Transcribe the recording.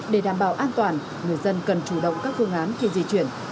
để đảm bảo an toàn người dân cần chủ động các phương án khi di chuyển